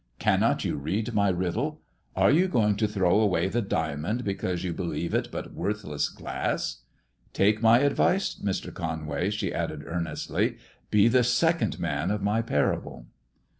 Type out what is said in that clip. "Cannot you read my riddle] Are you going to throw away the diamond because you believe it but worthless MISS JONATHAN 187 glass 1 Take my advice, Mr. Conway," she added, earnestly, " be the second man of my parable."